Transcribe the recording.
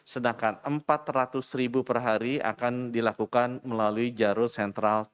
sedangkan empat ratus ribu per hari akan dilakukan melalui jalur sentral